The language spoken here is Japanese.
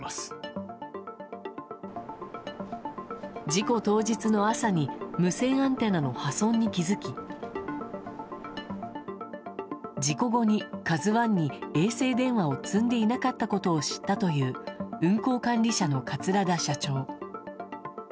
事故当日の朝に無線アンテナの破損に気づき事故後に、「ＫＡＺＵ１」に衛星電話を積んでいなかったことを知ったという運航管理者の桂田社長。